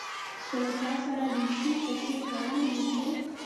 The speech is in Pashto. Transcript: که له چا سره د شي په څېر چلند وکړو.